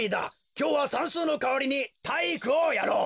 きょうはさんすうのかわりにたいいくをやろう。